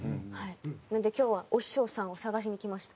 なので今日はお師匠さんを探しに来ました。